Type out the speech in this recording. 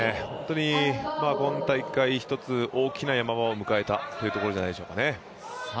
今大会ひとつ、大きな山場を迎えたところじゃないですかね。